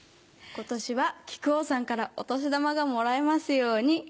今年は木久扇さんからお年玉がもらえますように。